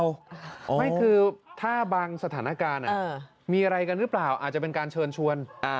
ไม่คือถ้าบางสถานการณ์มีอะไรกันหรือเปล่าอาจจะเป็นการเชิญชวน